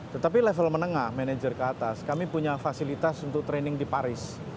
tetapi level menengah manajer ke atas kami punya fasilitas untuk training di paris